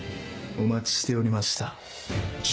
お待ちしておりました。